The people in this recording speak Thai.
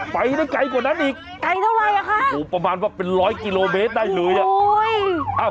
ไปได้ไกลกว่านั้นอีกประมาณว่าเป็นร้อยกิโลเมตรได้เลยนี่โอ้โฮ